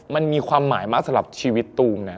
มันมีความหมายมากสำหรับชีวิตตูมนะ